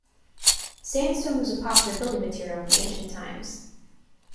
Sandstone was a popular building material from ancient times.